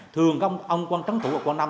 thường các ông quan trấn thủ ở quảng nam